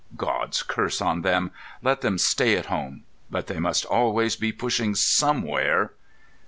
God's curse on them! Let them stay at home! But they must always be pushing somewhere."